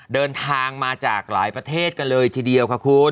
เดินทางมาจากหลายประเทศกันเลยทีเดียวค่ะคุณ